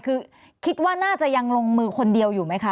คือคิดว่าน่าจะยังลงมือคนเดียวอยู่ไหมคะ